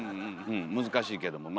難しいけどま